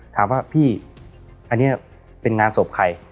ถามว่าพี่อันนี้เป็นงานศพใคร